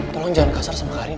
tolong jangan kasar sama karim